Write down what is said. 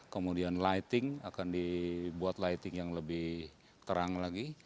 kemudian lighting akan dibuat lighting yang lebih terang lagi